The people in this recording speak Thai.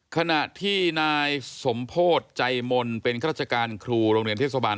ขณะที่นายสมโพธิ์ใจมนต์เป็นข้าราชการครูโรงเรียนเทศบาล